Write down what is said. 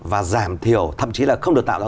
và giảm thiểu thậm chí là không được tạo ra